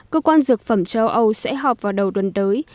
cơ quan dược phẩm châu âu sẽ họp vào đầu tuần tới